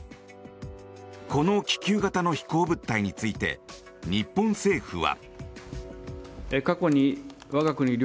この気球型の飛行物体について日本政府は。